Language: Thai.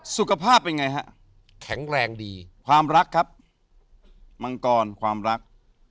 สุขภาพเป็นไงฮะแข็งแรงดีความรักครับมังกรความรัก